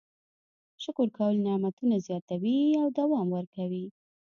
شکر کول نعمتونه زیاتوي او دوام ورکوي.